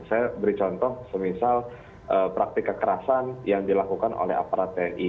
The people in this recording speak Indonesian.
saya beri contoh semisal praktik kekerasan yang dilakukan oleh aparat tni